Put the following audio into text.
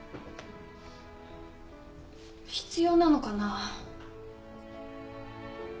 必要なのかな？